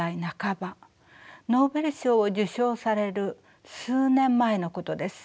ノーベル賞を受賞される数年前のことです。